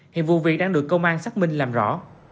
hiện vụ việc đang được công an xác minh làm rõ